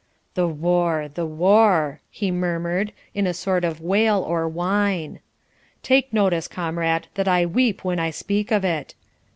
"The war, the war!" he murmured, in a sort of wail or whine. "Take notice, comrade, that I weep when I speak of it.